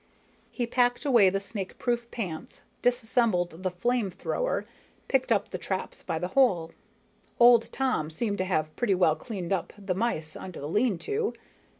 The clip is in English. He packed away the snakeproof pants, disassembled the flame thrower, picked up the traps by the hole. Old Tom seemed to have pretty well cleaned up the mice under the lean to.